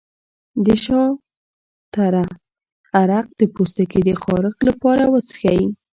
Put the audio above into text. د شاه تره عرق د پوستکي د خارښ لپاره وڅښئ